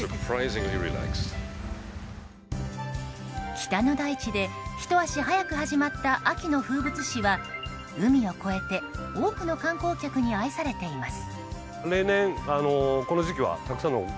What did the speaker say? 北の大地でひと足早く始まった秋の風物詩は海を越えて多くの観光客に愛されています。